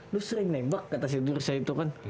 lu sering nembak kata si jurus saya itu kan